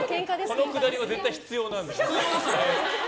このくだりは絶対必要なんです。